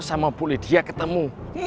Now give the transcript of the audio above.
sama bu lydia ketemu